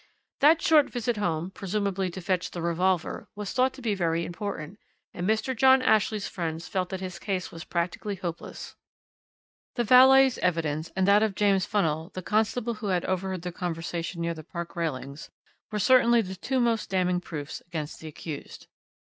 "That short visit home presumably to fetch the revolver was thought to be very important, and Mr. John Ashley's friends felt that his case was practically hopeless. "The valet's evidence and that of James Funnell, the constable, who had overheard the conversation near the park railings, were certainly the two most damning proofs against the accused.